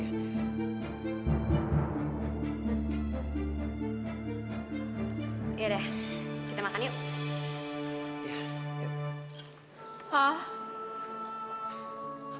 iya udah kita makan yuk